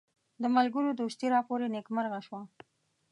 د ملګرو دوستي راپوري نیکمرغه شوه.